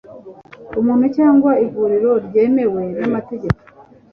umuntu cyangwa ivuriro ryemewe n'amategeko